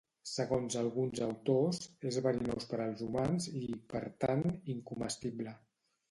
Segons alguns autors, és verinós per als humans i, per tant, incomestible.